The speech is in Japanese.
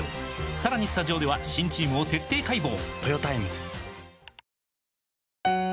さらにスタジオでは新チームを徹底解剖！